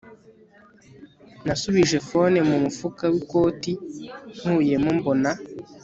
Nasubije phone mu mufuka wikoti nkuyemo mbona